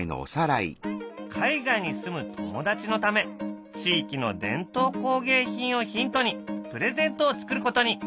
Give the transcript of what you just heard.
海外に住む友達のため地域の伝統工芸品をヒントにプレゼントを作ることに。